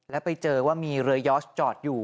แล้วไปเจอว่ามีเรือยอสจอดอยู่